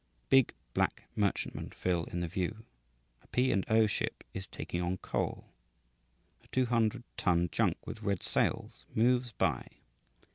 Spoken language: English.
Big black merchantmen fill in the view a P. and O. ship is taking on coal a two hundred ton junk with red sails moves by.